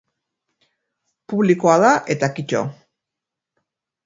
Publikoa da, eta kito.